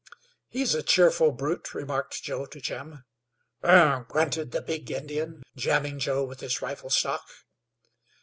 "He's a cheerful brute," remarked Joe to Jim. "Ugh!" grunted the big Indian, jamming Joe with his rifle stock.